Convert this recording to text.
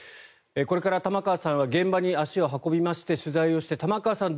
これから玉川さんは現場に足を運びまして取材をして玉川さん